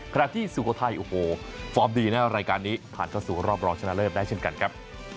ที่สุโขทัยโอ้โหฟอร์มดีนะรายการนี้ผ่านเข้าสู่รอบรองชนะเลิศได้เช่นกันครับ